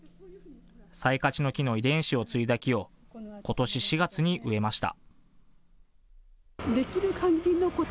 サイカチの木の遺伝子を継いだ木をことし４月に植えました。